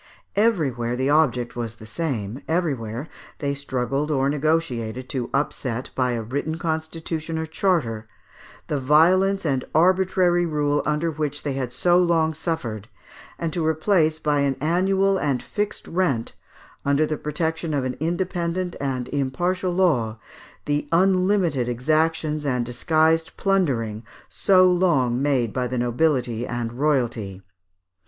Everywhere the object was the same; everywhere they struggled or negotiated to upset, by a written constitution or charter, the violence and arbitrary rule under which they had so long suffered, and to replace by an annual and fixed rent, under the protection of an independent and impartial law, the unlimited exactions and disguised plundering so long made by the nobility and royalty.